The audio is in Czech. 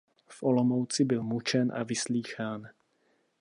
V Olomouci byl mučen a vyslýchán.